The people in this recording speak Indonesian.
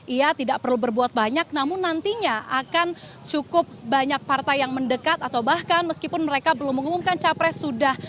ia tidak perlu berbuat banyak namun nantinya akan cukup banyak partai yang mendekat atau bahkan meskipun mereka belum mengumumkan capres sudah